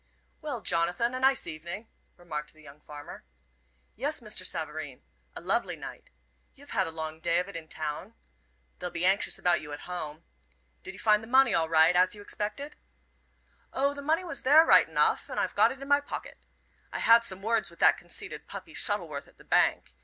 "Well, Jonathan, a nice evening," remarked the young farmer. "Yes, Mr. Savareen a lovely night. You've had a long day of it in town. They'll be anxious about you at home. Did you find the money all right, as you expected?" "O, the money was there, right enough, and I've got it in my pocket. I had some words with that conceited puppy, Shuttleworth, at the bank.